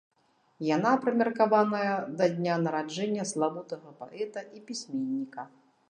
Яна прымеркаваная да дня нараджэння славутага паэта і пісьменніка.